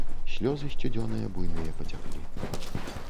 Слёзы сцюдзёныя, буйныя пацяклі.